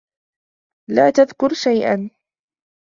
لا تذكرِ شيئا.